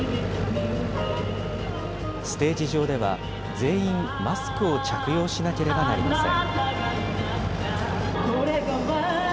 ステージ上では全員、マスクを着用しなければなりません。